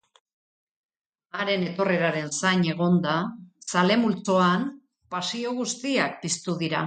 Haren etorreraren zain egon da zale multzoan pasio guztiak piztu dira.